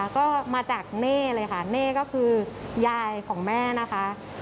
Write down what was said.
ก็มาจากเน่เลยค่ะเน่ก็คือยายของแม่นะคะ